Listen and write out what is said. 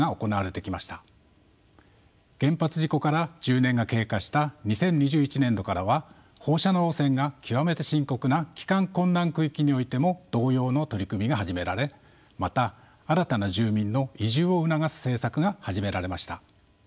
原発事故から１０年が経過した２０２１年度からは放射能汚染が極めて深刻な帰還困難区域においても同様の取り組みが始められまた新たな住民の移住を促す政策が始められました。